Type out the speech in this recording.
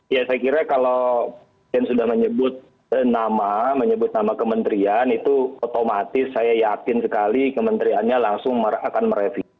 ya saya kira kalau presiden sudah menyebut nama menyebut nama kementerian itu otomatis saya yakin sekali kementeriannya langsung akan merevisi